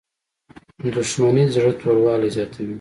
• دښمني د زړه توروالی زیاتوي.